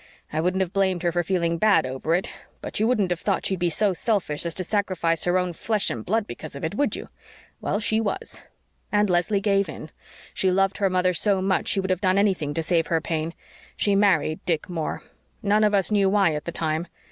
I wouldn't have blamed her for feeling dreadful bad over it but you wouldn't have thought she'd be so selfish as to sacrifice her own flesh and blood because of it, would you? Well, she was. "And Leslie gave in she loved her mother so much she would have done anything to save her pain. She married Dick Moore. None of us knew why at the time.